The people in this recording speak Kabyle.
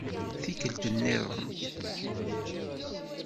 Tikkelt-nniḍen.